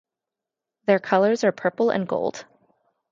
Their colors are purple and gold.